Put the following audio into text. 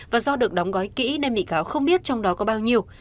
và do được đóng gói kỹ nên bị cáo không biết trong đó có bao nhiêu